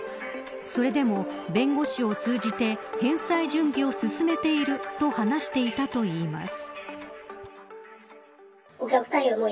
それでも弁護士を通じて返済準備を進めていると話していたといいます。